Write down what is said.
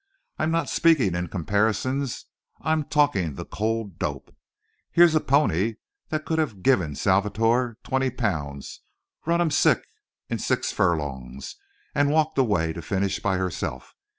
I'm not speaking in comparisons. I'm talking the cold dope! Here's a pony that could have given Salvator twenty pounds, run him sick in six furlongs, and walked away to the finish by herself.